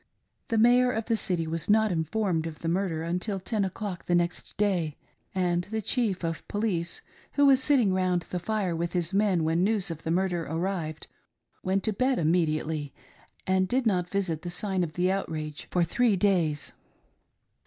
The Mayor of the city was not informed of the murder until ten o'clock the next day, and the chief of police who was sitting round the fire with his men when news of the murder arrived, went to bed immediately and did not visit the scene qf the outrage for three days.